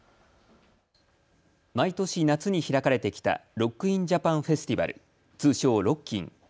毎年、夏に開かれてきたロック・イン・ジャパン・フェスティバル、通称ロッキン。